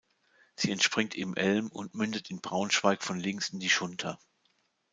Sie entspringt im Elm und mündet in Braunschweig von links in die Schunter.